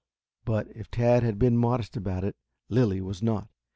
But if Tad had been modest about it, Lilly was not.